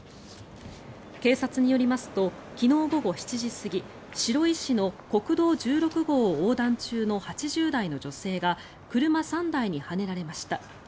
警察によりますと昨日午後７時過ぎ白井市の国道１６号を横断中の８０代の女性が車３台にはねられました。